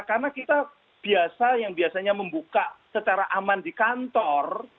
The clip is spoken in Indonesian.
karena kita biasa yang biasanya membuka secara aman di kantor